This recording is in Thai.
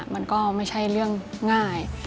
มันก็ไม่ใช่เรื่องง่าย